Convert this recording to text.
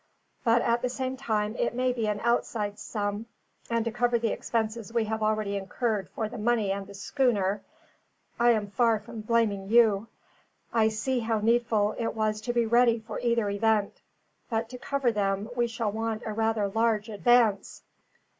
But at the same time it may be an outside sum; and to cover the expenses we have already incurred for the money and the schooner I am far from blaming you; I see how needful it was to be ready for either event but to cover them we shall want a rather large advance."